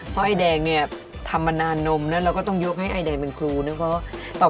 เพราะไอ้แดงเนี่ยทำมานานนมแล้วเราก็ต้องยกให้ไอแดงเป็นครูนะคะ